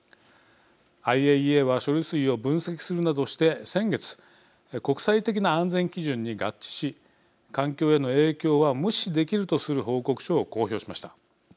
ＩＡＥＡは処理水を分析するなどして先月、国際的な安全基準に合致し環境への影響は無視できるとする報告書を公表しました。